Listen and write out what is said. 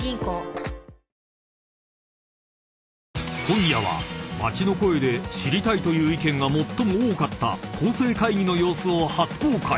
［今夜は街の声で知りたいという意見が最も多かった構成会議の様子を初公開］